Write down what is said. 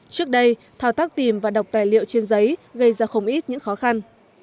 trước đây thao tác tìm và đọc tài liệu trên giấy gây ra không ít những khó khăn